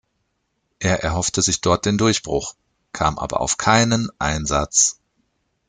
Er erhoffte sich dort den Durchbruch, kam aber auf keinen Einsatz.